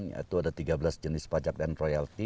yaitu ada tiga belas jenis pajak dan royalty